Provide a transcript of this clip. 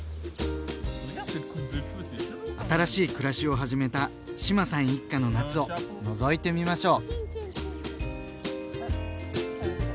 新しい暮らしを始めた志麻さん一家の夏をのぞいてみましょう。